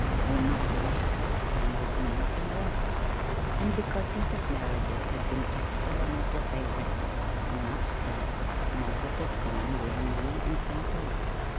You must come straight home with me and rest." And because Mrs. Merideth had been tactful enough to say "rest" and not "stay," Margaret had gone, willingly and thankfully.